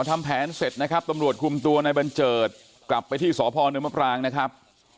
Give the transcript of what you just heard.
ทำแผนเสร็จนะครับตำรวจคุมตัวในบัญเจิดกลับไปที่สพนมปรางนะครับ